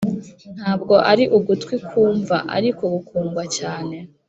ntabwo ari ugutwi kwumva, ariko, gukundwa cyane,